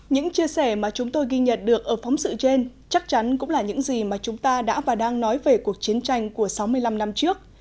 những chia sẻ mà chúng tôi ghi nhận được ở phóng sự trên chắc chắn cũng là những gì mà chúng ta đã và đang nói về cuộc chiến tranh của sáu mươi năm năm trước